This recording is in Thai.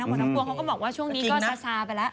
ผู้หัวเขาก็บอกช่วงนี้ใส่ไปแล้ว